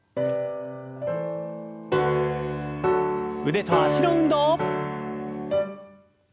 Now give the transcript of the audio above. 腕と脚の運動。